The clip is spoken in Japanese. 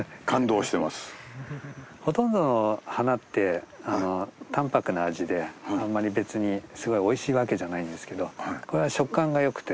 ほとんど花って淡泊な味であんまり別にすごいおいしいわけじゃないんですけどこれは食感がよくて。